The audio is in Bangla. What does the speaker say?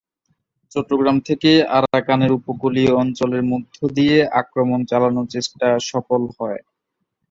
চট্টগ্রাম থেকে আরাকানের উপকূলীয় অঞ্চলের মধ্য দিয়ে আক্রমণ চালানোর চেষ্টা সফল হয়।